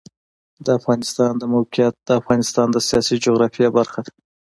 د افغانستان د موقعیت د افغانستان د سیاسي جغرافیه برخه ده.